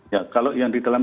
ya kalau yang di dalam